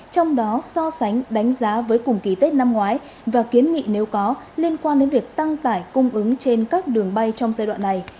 trong đó so sánh đánh giá với cùng kỳ tết năm ngoái và kiến nghị nếu có liên quan đến việc tăng tải cung ứng trên các đường bay trong giai đoạn này